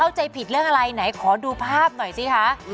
เข้าใจผิดเรื่องอะไรไหนขอดูภาพหน่อยสิคะ